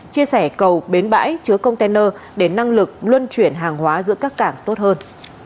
chia sẻ cầu bến bãi chứa container để năng lực luân chuyển hàng hóa giữa các cảng tốt hơn